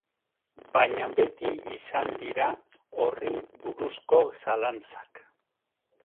Baina beti izan dir ahorri buruzko zalantzak.